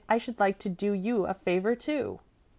I should like to do you a favor, too."